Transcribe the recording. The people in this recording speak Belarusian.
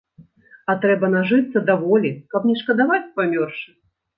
А трэба нажыцца даволі, каб не шкадаваць памёршы.